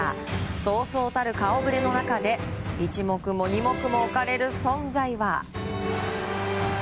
そうそうたる顔ぶれの中で一目も二目も置かれる存在は。